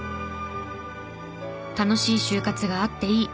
楽しい終活があっていい。